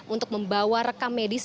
untuk membawa rekam medis